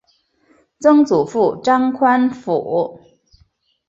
曾祖父张宽甫。